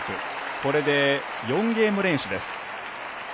これで４ゲーム連取です。